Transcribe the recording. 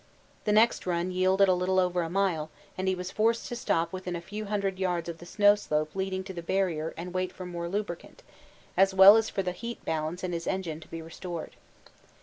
The next run yielded a little over a mile, and he was forced to stop within a few hundred yards of the snow slope leading to the Barrier and wait for more lubricant, as well as for the heat balance in his engine to be restored.